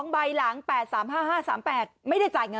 ใบหลัง๘๓๕๕๓๘ไม่ได้จ่ายเงิน